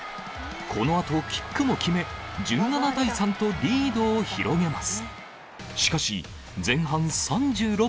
このあとキックも決め、１７対３とリードを広げます。